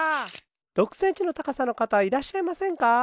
６センチのたかさの方はいらっしゃいませんか？